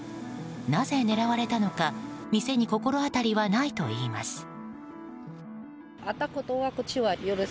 なぜ狙われたのか店に心当たりはないといいます。